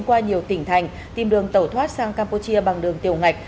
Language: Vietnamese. qua nhiều tỉnh thành tìm đường tẩu thoát sang campuchia bằng đường tiểu ngạch